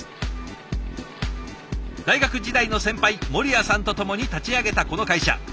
大学時代の先輩守屋さんと共に立ち上げたこの会社。